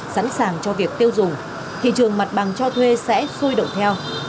sẵn sàng cho việc tiêu dùng thị trường mặt bằng cho thuê sẽ sôi động theo